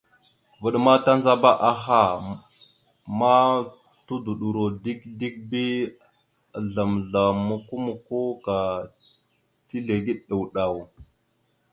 Vvaɗ ma tandzaba aha ma tudoɗoro dik dik bi azzlam azzlam mokko mokko ka tizləge ɗaw ɗaw.